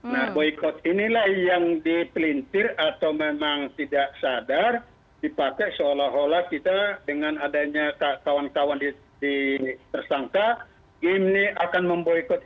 nah boykot inilah yang dipelintir atau memang tidak sadar dipakai seolah olah kita dengan adanya kawan kawan di tersangka gimni akan memboykot